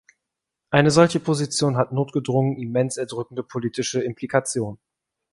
Eine solche Position hat notgedrungen immens erdrückende politische Implikationen.